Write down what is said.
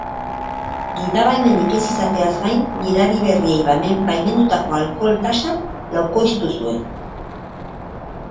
Gidabaimenik ez izateaz gain, gidari berriei baimendutako alkohol tasa laukoiztu zuen.